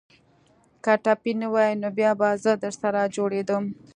که ټپي نه واى نو بيا به زه درسره جوړېدم.